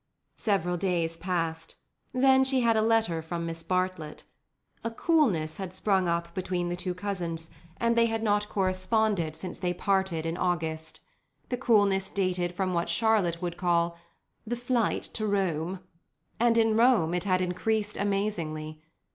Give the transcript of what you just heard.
Several days passed. Then she had a letter from Miss Bartlett. A coolness had sprung up between the two cousins, and they had not corresponded since they parted in August. The coolness dated from what Charlotte would call "the flight to Rome," and in Rome it had increased amazingly.